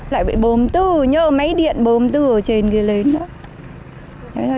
lại bị bồm tư nhờ máy điện bồm tư ở trên kia lên đó